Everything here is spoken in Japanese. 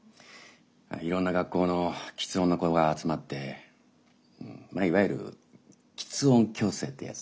いろんな学校の吃音の子が集まってまあいわゆる吃音矯正ってやつだね。